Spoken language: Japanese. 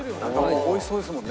「美味しそうですもんね」